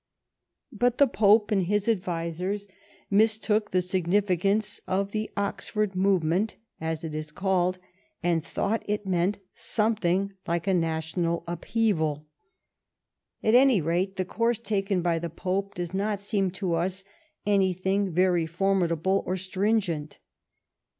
But the Pope and his advisers mistook the significance of the " Oxford Movement," as it is called, and thought it meant something like a national upheaval. THE ECCLESIASTICAL TITLES BILL 147 At any rate, the course taken by the Pope does not seem to us anything very formidable or strin gent.